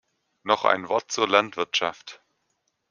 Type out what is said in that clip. Noch ein Wort zur Landwirtschaft.